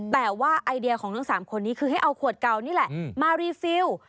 แต่ว่าไอเดียของทั้ง๓คนนี้คือให้เอาขวดเก่านี่แหละมารีฟิล